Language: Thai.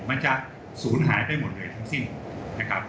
มันจะศูนย์หายไปหมดเลยทั้งสิ้นนะครับ